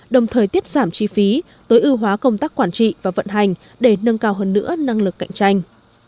đồng thời tiết giảm chi phí tối ưu hóa công tác quản trị và vận hành để nâng cao hơn nữa năng lực cạnh tranh